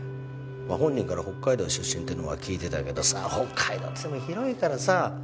本人から北海道出身ってのは聞いてたけどさ北海道っつっても広いからさ。